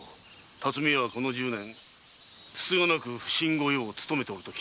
巽屋はこの十年つつがなく普請御用を務めておると聞く。